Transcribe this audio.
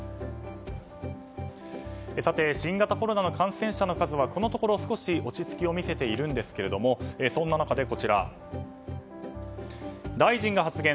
新型コロナの感染者の数はこのところ少し落ち着きを見せているんですけどそんな中で、大臣が発言。